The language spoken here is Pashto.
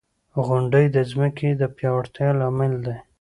• غونډۍ د ځمکې د پیاوړتیا لامل دی.